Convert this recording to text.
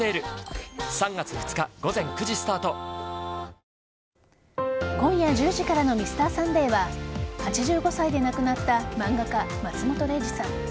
フラミンゴ今夜１０時からの「Ｍｒ．サンデー」は８５歳で亡くなった漫画家・松本零士さん。